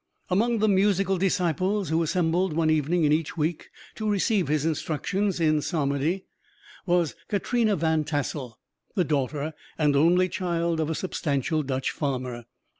Among the musical disciples who assembled, one evening in each week, to receive his instructions in psalmody, was Katrina Van Tassel, the daughter and only child of a substantial Dutch farmer.